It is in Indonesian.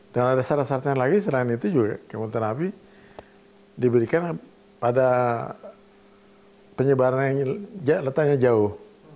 dan ada satu satunya lagi selain itu juga kemoterapi diberikan pada penyebaran yang letaknya jauh